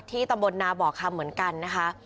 ตำบลนาบ่อคำเหมือนกันนะคะ